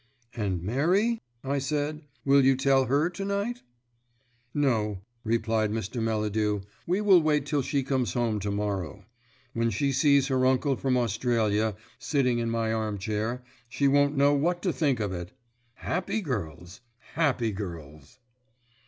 "And Mary?" I said. "Will you tell her to night?" "No," replied Mr. Melladew, "we will wait till she comes home to morrow. When she sees her uncle from Australia sitting in my arm chair, she won't know what to think of it. Happy girls, happy girls!"